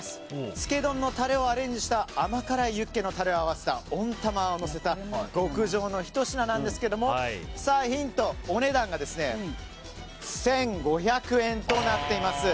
漬け丼のタレをアレンジした甘辛いユッケのタレを合わせた温たまをのせた極上のひと品なんですけどもヒント、お値段が１５００円となっています。